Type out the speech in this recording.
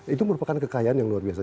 itu merupakan kekayaan yang luar biasa